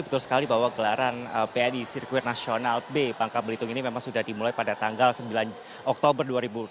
betul sekali bahwa gelaran bni sirkuit nasional b bangka belitung ini memang sudah dimulai pada tanggal sembilan oktober dua ribu dua puluh